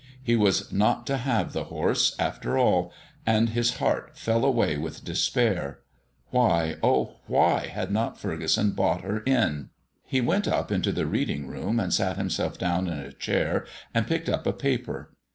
He was not to have the horse, after all, and his heart fell away with despair. Why, oh, why had not Furgeson bought her in? He went up into the reading room and sat himself down in a chair and picked up a paper.